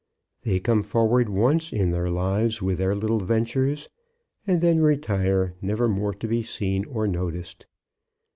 They come forward once in their lives with their little ventures, and then retire never more to be seen or noticed.